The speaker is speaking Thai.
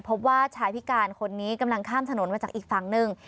พบว่าชายพิการคนนี้กำลังข้ามถนนมาจากอีกฝั่งหนึ่ง